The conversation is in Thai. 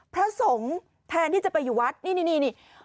พระสงฆ์แทนที่จะไปอยู่วัดนี่นี่